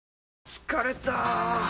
疲れた！